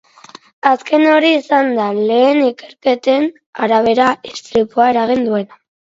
Azken hori izan da, lehen ikerketen arabera, istripua eragin duena.